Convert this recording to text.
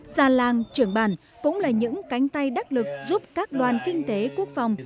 giàn làng trưởng bàn cũng là những cánh tay đắc lực giúp các đoàn kinh tế quốc phòng